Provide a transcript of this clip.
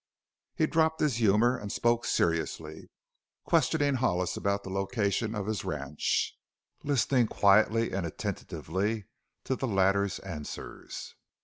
He dropped his humor and spoke seriously, questioning Hollis about the location of his ranch, listening quietly and attentively to the latter's answers.